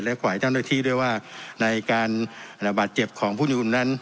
และฝ่ายเจ้าหน้าที่ด้วยว่าในการอ่าบาดเจ็บของผู้อยู่ตรงนั้น